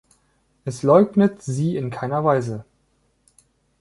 Es leugnet sie in keiner Weise.